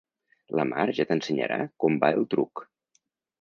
La Mar ja t'ensenyarà com va el truc.